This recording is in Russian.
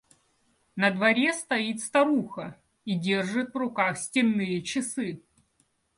На дворе стоит старуха и держит в руках стенные часы.